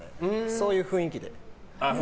そういう雰囲気で。